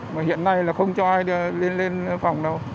mà hiện nay là không cho ai lên phòng đâu